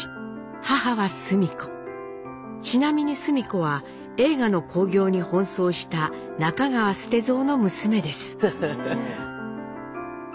ちなみにスミ子は映画の興行に奔走した中川捨蔵の娘です。